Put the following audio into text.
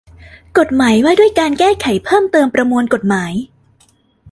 กฎหมายว่าด้วยการแก้ไขเพิ่มเติมประมวลกฎหมาย